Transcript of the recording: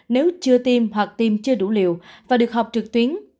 nếu chưa tiêm hoặc tiêm chưa đủ liều và được họp trực tuyến